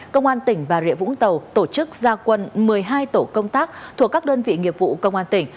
công an tỉnh bà rịa vũng tàu tổ chức gia quân một mươi hai tổ công tác thuộc các đơn vị nghiệp vụ công an tỉnh